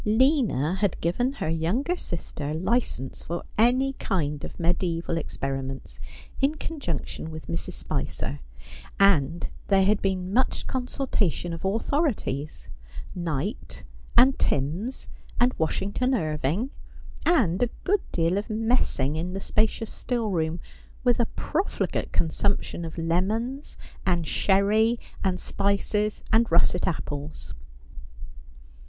Lina had given her younger sister license for any kind of medieeval experiments, in conjunction with Mrs. Spicer ; and there had been much consultation of authorities — Knight, and Timbs, and Washington Irving — and a good deal of messing in the spacious still room, with a profligate consumption of lemons and sherry, and spices and russet apples.